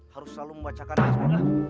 harus selalu membacakan asma'ul husna